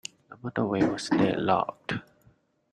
The motorway was deadlocked.